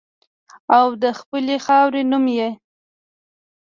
او د خپلې خاورې نوم یې